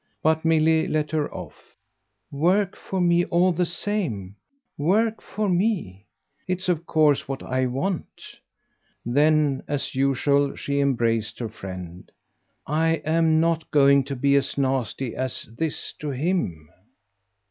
But Milly let her off. "Work for me, all the same work for me! It's of course what I want." Then as usual she embraced her friend. "I'm not going to be as nasty as this to HIM."